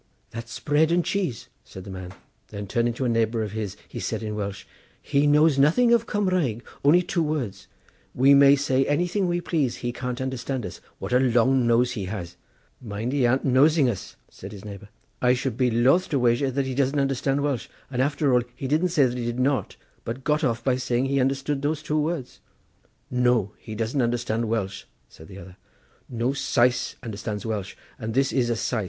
"That's bread and cheese," said the man, then turning to a neighbour of his he said in Welsh: "He knows nothing of Cumraeg, only two words; we may say anything we please; he can't understand us. What a long nose he has!" "Mind that he an't nosing us," said his neighbour. "I should be loth to wager that he doesn't understand Welsh; and after all he didn't say that he did not, but got off by saying he understood those two words." "No, he doesn't understand Welsh," said the other; "no Sais understands Welsh, and this is a Sais.